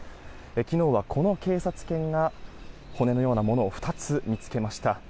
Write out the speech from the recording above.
昨日はこの警察犬が骨のようなものを２つ見つけました。